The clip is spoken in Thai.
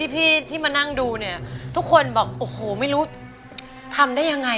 เพราะทางที่รักที่เก่าก็ต้องรัก